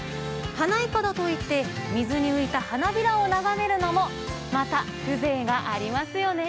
花いかだといって、水に浮いた花びらを眺めるのもまた風情がありますよね。